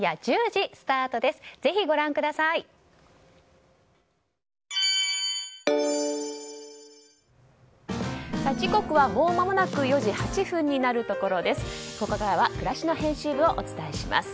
時刻はもう間もなく４時８分になるところです。